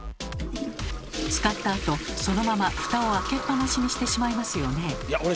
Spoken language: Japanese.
使ったあとそのままフタを開けっ放しにしてしまいますよね。